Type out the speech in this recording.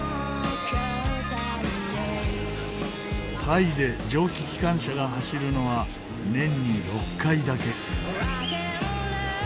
タイで蒸気機関車が走るのは年に６回だけ。